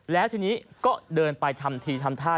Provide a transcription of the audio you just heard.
แล้วทีนี้ก็เดินไปทำทีทำท่า